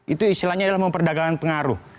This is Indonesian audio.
itu istilahnya adalah memperdagangkan pengaruh